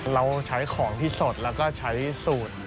เราใช้ของที่สดแล้วก็ใช้สูตร